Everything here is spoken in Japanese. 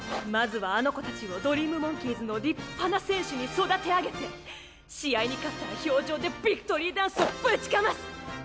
まずはあの子たちをドリームモンキーズの立派な選手に育て上げて試合に勝ったら氷上でビクトリーダンスをぶちかます！